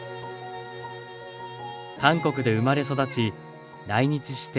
韓国で生まれ育ち来日して結婚。